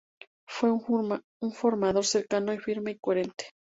Fue un formador cercano, firme y coherente.